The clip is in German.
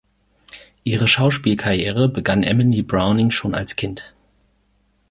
Ihre Schauspielkarriere begann Emily Browning schon als Kind.